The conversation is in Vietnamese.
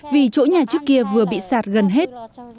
vì chỗ nhà trước kia vừa bị sạt gần hết